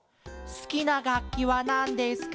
「すきながっきはなんですか？